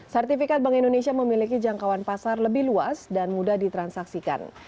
sertifikat bank indonesia memiliki jangkauan pasar lebih luas dan mudah ditransaksikan